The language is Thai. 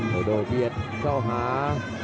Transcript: โดโดเบียดเจ้าขา